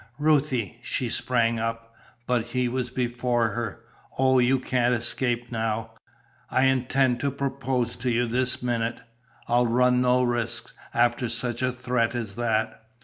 "Ruthie!" She sprang up, but he was before her. "Oh, you can't escape now. I intend to propose to you this minute. I'll run no risks, after such a threat as that.